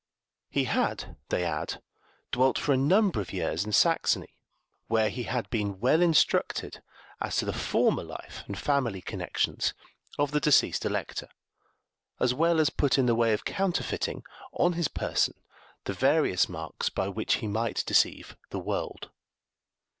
He had, they add, dwelt for a number of years in Saxony, where he had been well instructed as to the former life and family connections of the deceased Elector, as well as put in the way of counterfeiting on his person the various marks by which he might deceive the world.